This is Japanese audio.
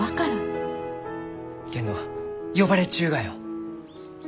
けんど呼ばれちゅうがよ。